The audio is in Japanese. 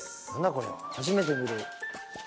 これ初めて見る。